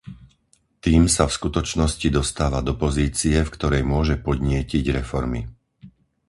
Tým sa v skutočnosti dostáva do pozície, v ktorej môže podnietiť reformy.